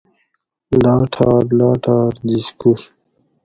لاٹھار لاٹھار جیشکور